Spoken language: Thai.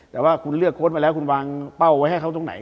แต่คุณเลือกโค้ดมาแล้ววางเป้าไว้ตรงไหน